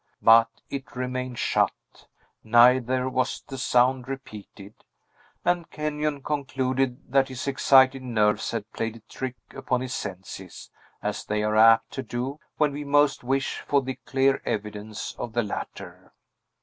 But it remained shut; neither was the sound repeated; and Kenyon concluded that his excited nerves had played a trick upon his senses, as they are apt to do when we most wish for the clear evidence of the latter.